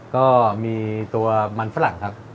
ก็มีตัวมันฝรั่งครับ